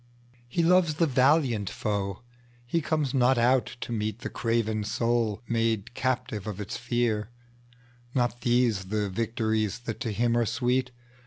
He loves the valiant foe; he comes not out to meetThe craven soul made captive of its fear:Not these the victories that to him are sweet!